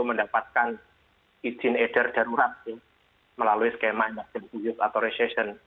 mendapatkan izin edar darurat melalui skema emergency youth authorization